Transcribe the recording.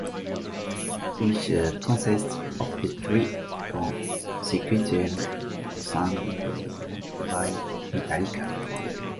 Which consists of three consecutive songs by "Metallica".